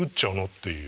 っていう。